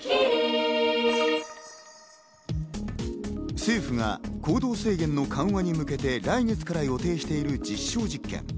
政府が行動制限の緩和に向けて来月から予定している実証実験。